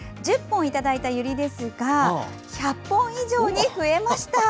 １０本いただいたユリですが１００本以上に増えました。